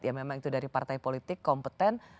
ya memang itu dari partai politik kompeten